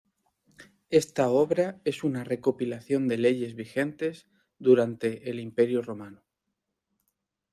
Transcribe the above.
Esta obra es una recopilación de leyes vigentes durante el Imperio Romano.